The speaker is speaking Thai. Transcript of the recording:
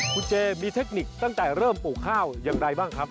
คุณเจมีเทคนิคตั้งแต่เริ่มปลูกข้าวอย่างไรบ้างครับ